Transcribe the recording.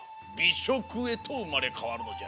しょくへとうまれかわるのじゃ。